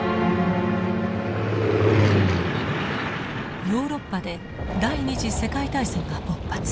ヨーロッパで第二次世界大戦が勃発。